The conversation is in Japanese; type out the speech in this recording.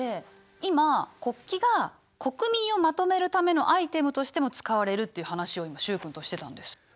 今国旗が国民をまとめるためのアイテムとしても使われるという話を今習君としてたんです。